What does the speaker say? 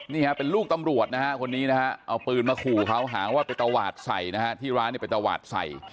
นี่ฮะเป็นลูกตำรวจนะฮะคนนี้นะฮะเอาปืนมาขู่เขาหาว่าไปตวาดใส่นะฮะที่ร้านเนี่ยไปตวาดใส่